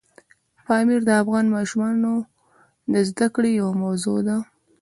پامیر د افغان ماشومانو د زده کړې یوه موضوع ده.